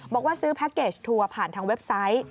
บอกว่าซื้อแพ็คเกจทัวร์ผ่านทางเว็บไซต์